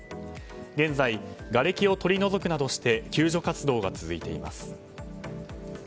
現在、がれきを取り除くなどして救助活動が続いています。